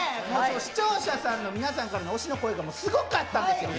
視聴者さんの皆さんからの推しの声がすごかったんですよ。